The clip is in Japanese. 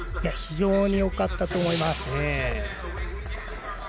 非常によかったと思います。